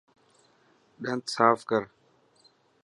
ڏنت ساف ڪر.